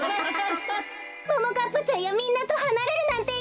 ももかっぱちゃんやみんなとはなれるなんていや！